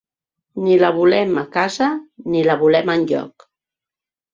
Ni la volem a casa ni la volem enlloc.